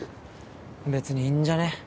べつにいいんじゃね？